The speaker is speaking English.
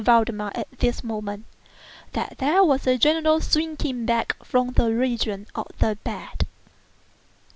Valdemar at this moment, that there was a general shrinking back from the region of the bed.